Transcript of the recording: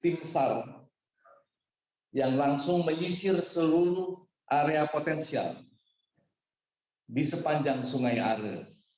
tim sar yang langsung menyisir seluruh area potensial di sepanjang sungai are